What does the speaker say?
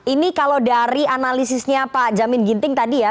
ini kalau dari analisisnya pak jamin ginting tadi ya